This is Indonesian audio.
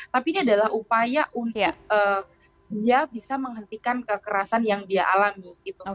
tapi ini adalah upaya untuk dia bisa menghentikan kekerasan yang dia alami